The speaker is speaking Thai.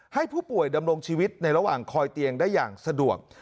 ให้ผู้ป่วยดำรงชีวิตในระหว่างคอยเตียงได้อย่างสะดวก